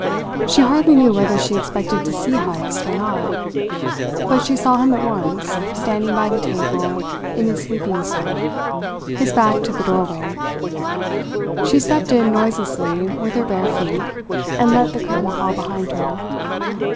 She hardly knew whether she expected to see Heyst or not; but she saw him at once, standing by the table in his sleeping suit, his back to the doorway. She stepped in noiselessly with her bare feet, and let the curtain fall behind her.